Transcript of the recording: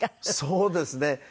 そうですね。